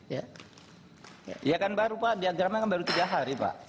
ya kan baru pak diantara mereka baru tiga hari pak